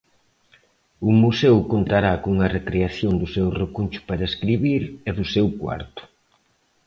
O museo contará cunha recreación do seu recuncho para escribir e do seu cuarto.